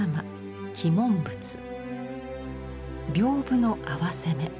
屏風の合わせ目。